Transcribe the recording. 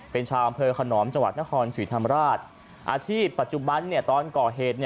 เป็นชาวอำเภอขนอมจังหวัดนครศรีธรรมราชอาชีพปัจจุบันตอนก่อเหตุ